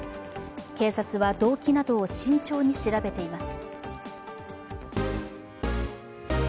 警察は動機などを慎重に調べています。